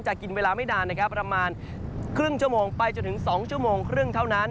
กินเวลาไม่นานนะครับประมาณครึ่งชั่วโมงไปจนถึง๒ชั่วโมงครึ่งเท่านั้น